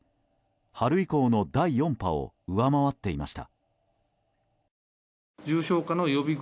春以降の第４波を上回っていました。